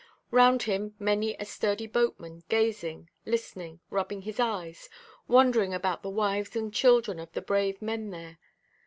Round him many a sturdy boatman, gazing, listening, rubbing his eyes, wondering about the wives and children of the brave men there.